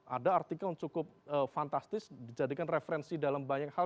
ada artikel yang cukup fantastis dijadikan referensi dalam banyak hal